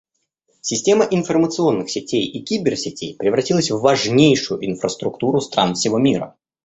Система информационных сетей и киберсетей превратилась в важнейшую инфраструктуру стран всего мира.